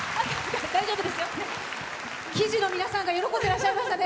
喜寿の皆さんが喜んでらっしゃいましたね。